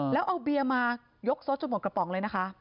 แล้วเอาเบียร์มายกโซดจนหมดกระป๋องเลยนะคะ